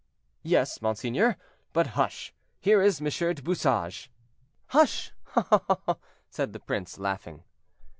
"Yes, monseigneur; but hush! here is M. du Bouchage." "Hush!" said the prince, laughing.